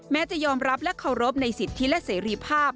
จะยอมรับและเคารพในสิทธิและเสรีภาพ